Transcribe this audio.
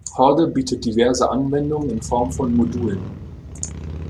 Horde bietet diverse Anwendungen in Form von Modulen.